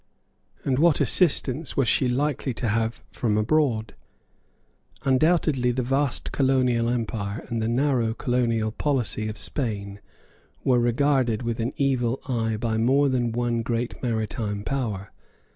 And what assistance was she likely to have from abroad? Undoubtedly the vast colonial empire and the narrow colonial policy of Spain were regarded with an evil eye by more than one great maritime power.